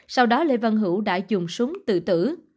sau đó lê văn hữu đã dùng súng tự tử